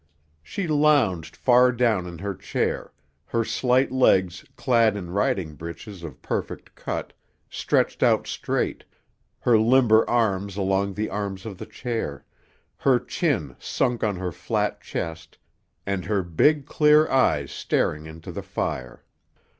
She lounged far down in her chair, her slight legs, clad in riding breeches of perfect cut, stretched out straight, her limber arms along the arms of the chair, her chin sunk on her flat chest, and her big, clear eyes staring into the fire.